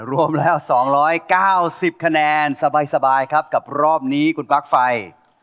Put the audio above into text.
รวมแล้ว๒๙๐คะแนนสบายครับกับรอบนี้คุณปลั๊กไฟ